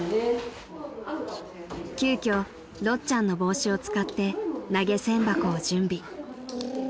［急きょろっちゃんの帽子を使って投げ銭箱を準備］